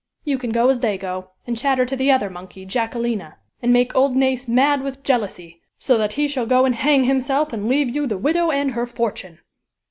You can go as they go, and chatter to the other monkey, Jacquelina and make Old Nace mad with jealousy, so that he shall go and hang himself, and leave you the widow and her fortune!